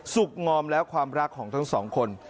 งอมแล้วความรักของทั้งสองคน